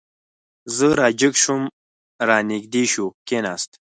زه را جګ شوم، را نږدې شو، کېناست.